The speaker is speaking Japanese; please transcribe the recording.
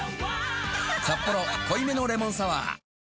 「サッポロ濃いめのレモンサワー」